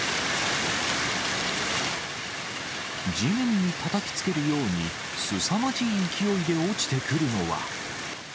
地面にたたきつけるように、すさまじい勢いで落ちてくるのは。